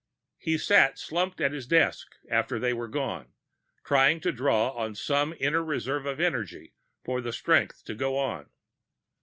He sat slumped at his desk after they were gone, trying to draw on some inner reserve of energy for the strength to go on.